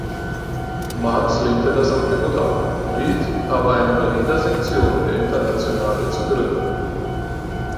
Marx lehnte das Angebot ab, riet aber eine Berliner Sektion der Internationale zu gründen.